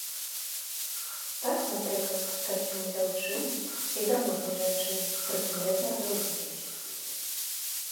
Так напрыклад касцюм дзяўчыны і замужняй жанчыны прыкметна адрозніваліся.